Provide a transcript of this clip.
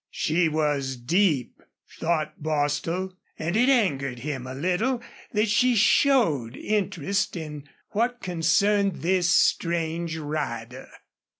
She was deep, thought Bostil, and it angered him a little that she showed interest in what concerned this strange rider.